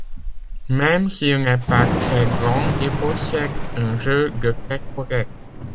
Même s'il n'est pas très grand, il possède un jeu de tête correct.